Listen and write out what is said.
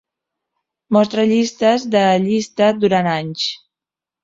mostra llistes de llista durant anys.